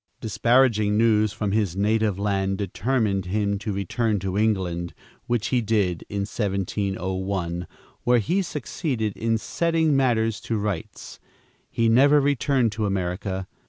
Disparaging news from his native land determined him to return to England, which he did in 1701, where he succeeded in setting matters to rights. He never returned to America.